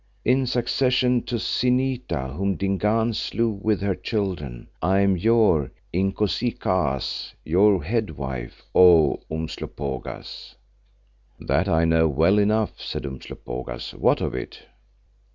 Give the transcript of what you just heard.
In succession to Zinita whom Dingaan slew with her children, I am your Inkosikaas, your head wife, O Umslopogaas." "That I know well enough," said Umslopogaas, "what of it?"